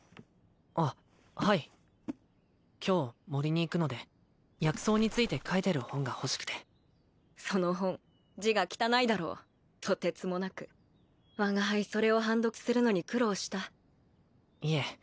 あっはい今日森に行くので薬草について書いてる本が欲しくてその本字が汚いだろうとてつもなく我が輩それを判読するのに苦労したいえ